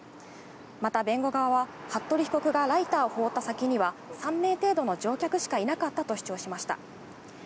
また弁護側は服部被告がライターを放った先には３名程度の乗客しかいなかったと主張しました。